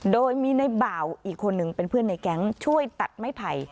โดยมีในบ่าวอีกคนหนึ่งเป็นเพื่อนในแก๊งช่วยตัดไม้ไผ่